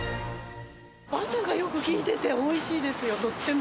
バターがよく利いてておいしいですよ、とっても。